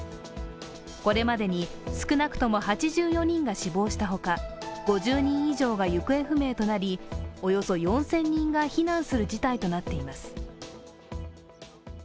これまでに少なくとも８４人が死亡したほか、５０人以上が行方不明となり、およそ４０００人が避難する事態となっています。